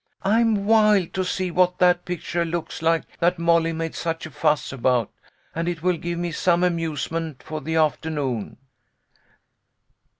I'm wild to see what that picture looks like that Molly made such a fuss about, and it will give me some amusement for the afternoon."